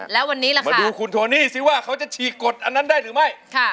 แล้ววันนี้ล่ะคะมาดูคุณโทนี่สิว่าเขาจะฉีกกฎอันนั้นได้หรือไม่